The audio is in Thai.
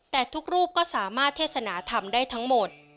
แต่ทุกรูปก็สามารถเทศนาธรรมได้ทั้งหมด